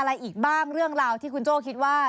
อะไรอีกบ้างเรื่องราวที่คุณโจ้คิดว่า